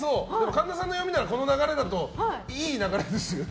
神田さんの読みではこの流れだといい流れですよね。